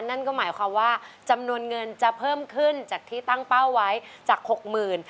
นั่นก็หมายความว่าจำนวนเงินจะเพิ่มขึ้นจากที่ตั้งเป้าไว้จากหกหมื่น